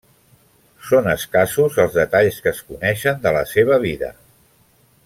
Són escassos els detalls que es coneixen de la seva vida.